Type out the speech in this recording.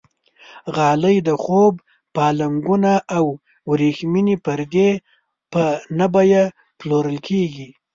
غالۍ، د خوب پالنګونه او وریښمینې پردې په نه بیه پلورل کېږي.